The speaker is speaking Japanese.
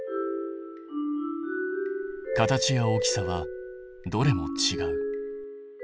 形や大きさはどれもちがう。